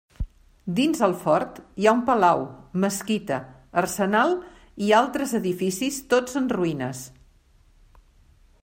Dins el fort hi ha un palau, mesquita, arsenal, i altres edificis tots en ruïnes.